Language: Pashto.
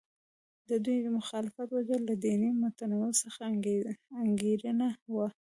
د دوی د مخالفت وجه له دیني متنونو څخه انګېرنه وه.